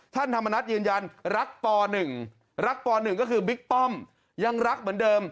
ท่านธรรมนัฐยืนยันรักป๑รักป๑ก็คือบิ๊กป้อมยังรักเหมือนเดิม